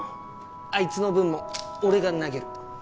あいつの分も俺が投げる。